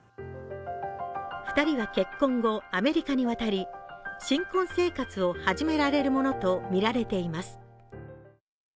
２人は結婚後、アメリカに渡り新婚生活を送るものとみられています。